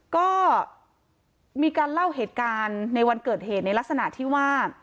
ก็มีการเล่าเหตุการณ์ในวันเกิดเหตุในลักษณะที่ว่า